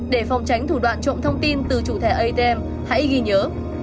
để phòng tránh thủ đoạn trộm thông tin từ chủ thẻ atm hãy ghi nhớ